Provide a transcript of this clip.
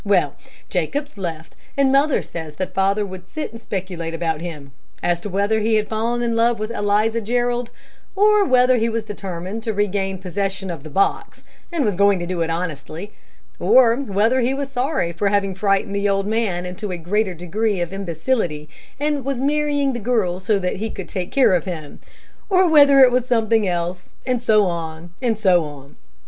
Well, Jacobs left, and mother says that father would sit and speculate about him, as to whether he had fallen in love with Eliza Jerrold, or whether he was determined to regain possession of the box, and was going to do it honestly, or whether he was sorry for having frightened the old man into a greater degree of imbecility, and was marrying the girl so that he could take care of him, or whether it was something else, and so on, and so on.